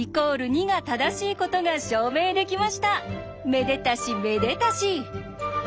めでたしめでたし。